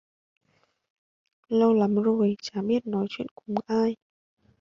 Lâu lắm rồi Chả biết nói chuyện cùng ai